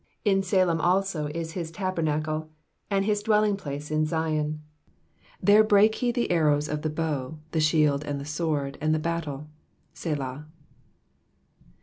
2 In Salem also is his tabernacle, and his dwelling place in Zion. 3 There brake he the arrows of the bow, the shield, and the sword, and the battle. Selah.